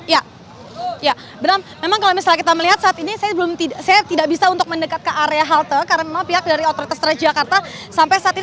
ya bram memang kalau misalnya kita melihat saat ini saya tidak bisa untuk mendekat ke area halte karena memang pihak dari otoritas trajakarta sampai saat ini